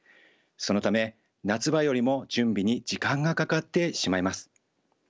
そのため夏場よりも準備に時間がかかってしまいます。